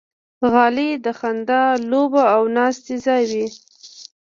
غلۍ د خندا، لوبو او ناستې ځای وي.